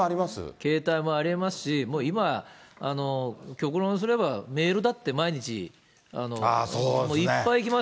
携帯もありますし、もう今は極論すれば、メールだって、毎日、メール。